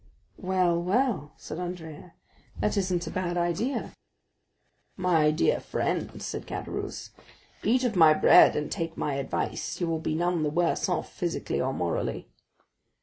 "Well, well," said Andrea, "that isn't a bad idea." "My dear friend," said Caderousse, "eat of my bread, and take my advice; you will be none the worse off, physically or morally."